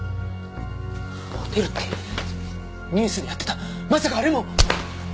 ホテルってニュースでやってたまさかあれも！？